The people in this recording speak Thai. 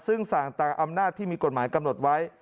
ซึ่งสั่งตามอำนาจที่มีกฎหมายกำหนดไว้